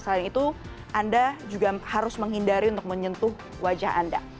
selain itu anda juga harus menghindari untuk menyentuh wajah anda